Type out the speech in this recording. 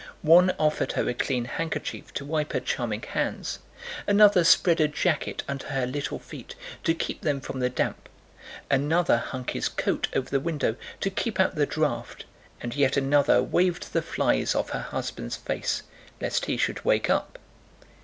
One offered her a clean handkerchief to wipe her charming hands, another spread a jacket under her little feet to keep them from the damp, another hung his coat over the window to keep out the draft, and yet another waved the flies off her husband's face, lest he should wake up.